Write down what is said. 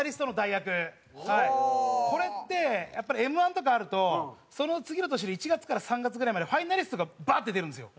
これってやっぱりＭ−１とかあるとその次の年に１月から３月ぐらいまでファイナリストがバーッて出るんですよ。